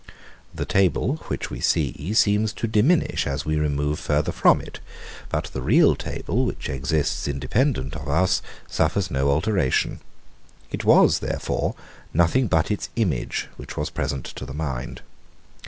The table, which we see, seems to diminish, as we remove farther from it: but the real table, which exists independent of us, suffers no alteration: it was, therefore, nothing but its image, which was present to the mind.